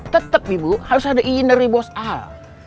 tetap ibu harus ada izin dari bos al